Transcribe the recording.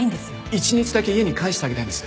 一日だけ家に帰してあげたいんです。